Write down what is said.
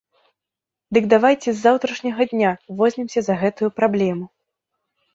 Дык давайце з заўтрашняга дня возьмемся за гэтую праблему!